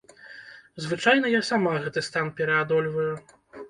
Звычайна я сама гэты стан пераадольваю.